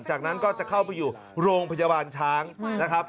จากนั้นก็จะเข้าไปอยู่โรงพยาบาลช้างนะครับ